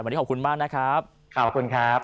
วันนี้ขอบคุณมากนะครับ